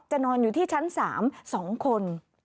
นอนอยู่ที่ชั้น๓๒คน